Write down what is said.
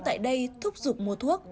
tại đây thúc giục mua thuốc